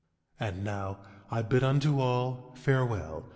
10:34 And now I bid unto all, farewell.